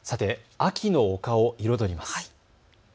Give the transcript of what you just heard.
秋の丘を彩ります。